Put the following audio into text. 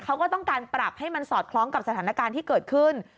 เขาก็ต้องการปรับให้มันสอดคล้องกับสถานการณ์ที่เกิดขึ้น